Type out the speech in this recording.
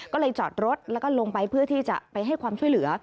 ก็เลยจอดรถแล้วก็ลงไปเพื่อที่จะไปให้ความช่วยเหลือ